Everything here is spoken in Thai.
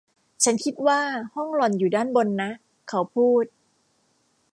ฉันคิดว่าห้องหล่อนอยู่ด้านบนนะ เขาพูด